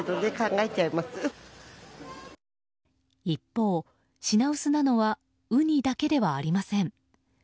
一方、品薄なのはウニだけではありません。